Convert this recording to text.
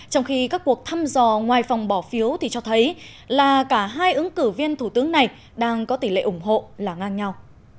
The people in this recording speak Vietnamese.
trong khi các cuộc thăm dò ngoài phòng bỏ phiếu thì cho thấy là cả hai ứng cử viên thủ tướng này đang có tỷ lệ ủng hộ là ngang nhau